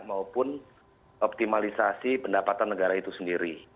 maupun optimalisasi pendapatan negara itu sendiri